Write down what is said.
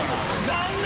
残念！